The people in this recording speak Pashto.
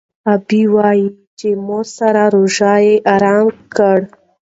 غابي وايي چې مور سره روژه یې ارام کړ.